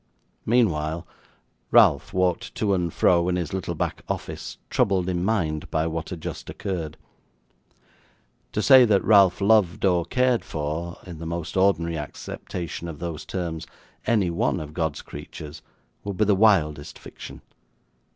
Meanwhile, Ralph walked to and fro in his little back office, troubled in mind by what had just occurred. To say that Ralph loved or cared for in the most ordinary acceptation of those terms any one of God's creatures, would be the wildest fiction.